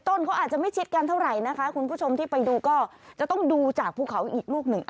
ต้นเขาอาจจะไม่ชิดกันเท่าไหร่นะคะคุณผู้ชมที่ไปดูก็จะต้องดูจากภูเขาอีกลูกหนึ่ง